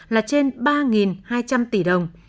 là trên ba hai trăm linh tỷ đồng